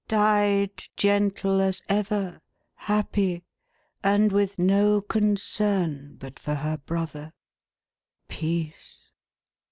" Died, gentle as ever, happy, and with no concern but for her brother. Peace